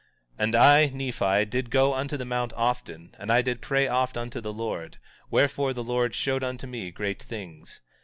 18:3 And I, Nephi, did go into the mount oft, and I did pray oft unto the Lord; wherefore the Lord showed unto me great things.